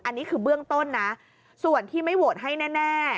อันนี้คือเบื้องต้นนะส่วนที่ไม่โหวตให้แน่